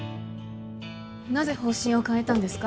なぜ方針を変えたんですか？